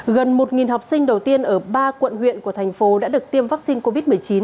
gần một học sinh đầu tiên ở ba quận huyện của thành phố đã được tiêm vaccine covid một mươi chín